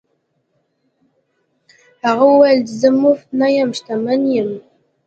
هغه وویل چې زه مفت نه یم شتمن شوی.